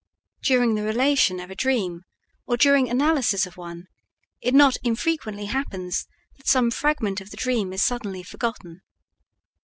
During the relation of a dream, or during analysis of one, it not infrequently happens that some fragment of the dream is suddenly forgotten.